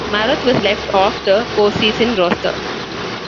Maroth was left off the postseason roster.